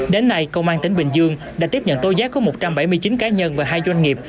đến nay công an tỉnh bình dương đã tiếp nhận tối giá có một trăm bảy mươi chín cá nhân và hai doanh nghiệp